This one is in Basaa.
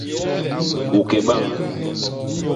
U ke bañ.